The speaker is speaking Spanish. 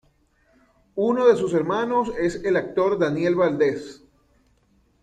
Uno de sus hermanos es el actor Daniel Valdez.